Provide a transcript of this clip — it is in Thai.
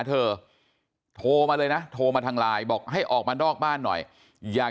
เธอโทรมาเลยนะโทรมาทางไลน์บอกให้ออกมานอกบ้านหน่อยอย่า